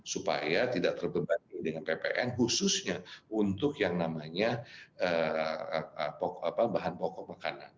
supaya tidak terbebani dengan ppn khususnya untuk yang namanya bahan pokok makanan